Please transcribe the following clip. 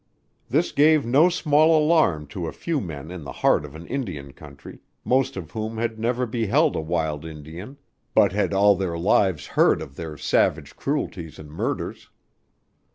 This gave no small alarm to a few men in the heart of an Indian Country, most of whom had never beheld a wild Indian, but had all their lives heard of their savage cruelties and murders.